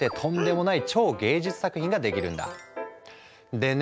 でね